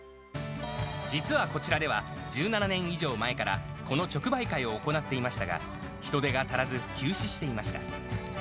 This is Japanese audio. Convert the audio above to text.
実はこちらでは、１７年以上前からこの直売会を行っていましたが、人手が足らず休止していました。